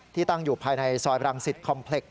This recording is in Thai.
ที่ตั้งอยู่ภายในซอยรังสิทธิ์คอมเพล็ก